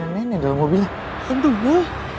nenek dalam mobilnya